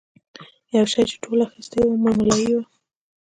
یو شی چې ټولو اخیستی و مملايي وه.